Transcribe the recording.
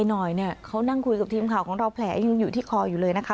หน่อยเนี่ยเขานั่งคุยกับทีมข่าวของเราแผลยังอยู่ที่คออยู่เลยนะคะ